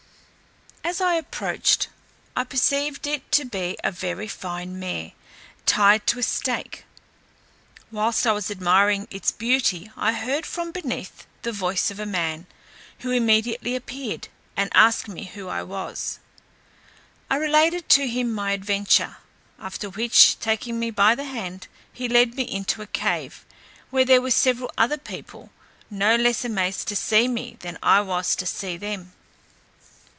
As I approached, I perceived it to be a very fine mare, tied to a stake. Whilst I was admiring its beauty, I heard from beneath the voice of a man, who immediately appeared, and asked me who I was? I related to him my adventure, after which, taking me by the hand, he led me into a cave, where there were several other people, no less amazed to see me than I was to see them.